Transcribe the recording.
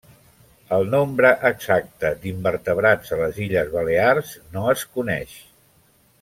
El nombre exacte d'invertebrats a les Illes Balears no es coneix.